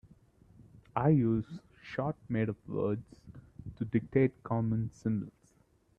I use short made-up words to dictate common symbols.